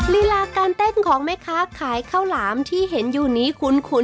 ลีลาการเต้นของแม่ค้าขายข้าวหลามที่เห็นอยู่นี้คุ้น